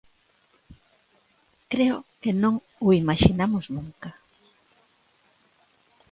Creo que non o imaxinamos nunca.